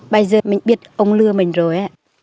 bây giờ mình biết ông lừa mình rồi